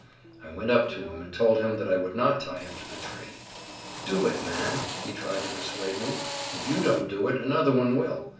I went up to him and told him that I would not tie[Pg 71] him to the tree. "Do it, man," he tried to persuade me; "if you don't do it another one will.